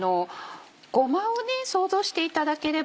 ごまを想像していただければ。